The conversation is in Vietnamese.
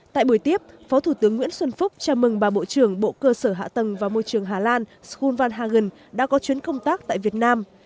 tại buổi tiếp phó thủ tướng nguyễn xuân phúc chào mừng bà bộ trưởng bộ cơ sở hạ tầng và môi trường hà lan sholvan hagan đã có chuyến công tác tại việt nam